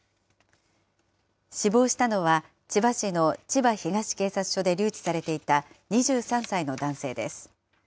死亡したのは、千葉市の千葉東警察署で留置されていた、２３歳の男性です。